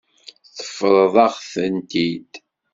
Teṭṭfeḍ-aɣ-tent-id.